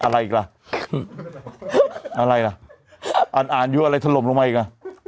อะไรอีกล่ะอะไรล่ะอ่านอ่านอยู่อะไรถล่มลงมาอีกอ่ะ